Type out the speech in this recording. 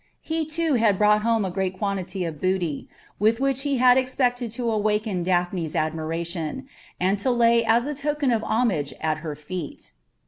He, too, had brought home a great quantity of booty, with which he had expected to awaken Daphne's admiration, and to lay as a token of homage at her feet.